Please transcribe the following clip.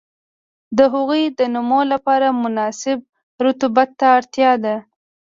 د هغوی د نمو لپاره مناسب رطوبت ته اړتیا ده.